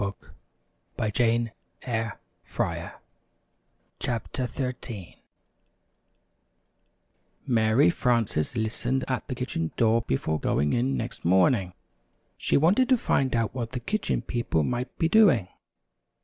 "] CHAPTER XIII COMPANY TO LUNCH MARY FRANCES listened at the kitchen door before going in next morning. She wanted to find out what the Kitchen People might be doing.